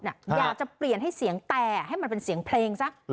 อยากจะเปลี่ยนให้เสียงแต่ให้มันเป็นเสียงเพลงซะ